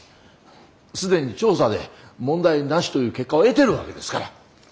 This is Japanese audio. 既に調査で問題なしという結果を得てるわけですから。